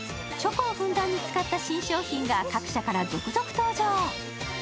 チョコをふんだんに使った新商品が各社から続々登場。